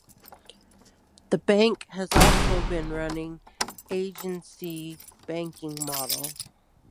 The bank has also been running Agency banking model.